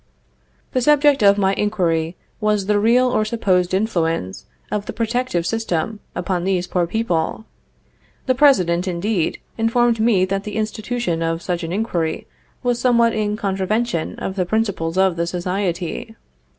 The subject of my inquiry was the real or supposed influence of the protective system upon these poor people. The President, indeed, informed me that the institution of such an inquiry was somewhat in contravention of the principles of the society.